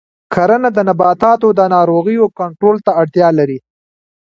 کرنه د نباتاتو د ناروغیو کنټرول ته اړتیا لري.